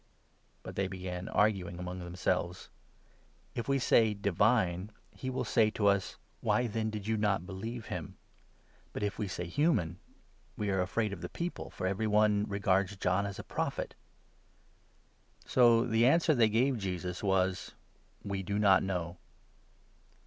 But they began arguing among themselves :" If we say ' divine,' he will say to us ' Why then did not you 13 Isa. 56. 7 ; Jer. 7. 11. " ps. g. 2. 82 MATTHEW, 21. believe him?' But if we say 'human,' we are afraid of the 26 people, for every one regards John as a Prophet." So the answer they gave Jesus was —" We do not know."